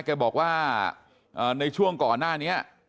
แกบอกว่าในช่วงก่อนหน้านี้